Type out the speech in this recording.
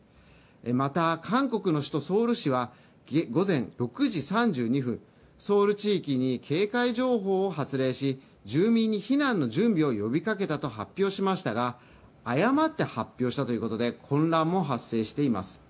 また韓国の首都ソウル市は午前６時３２分、ソウル地域に警戒情報を発令時、住民に避難の準備を呼びかけたと発表していましたが誤って発表したということで混乱も発生しています。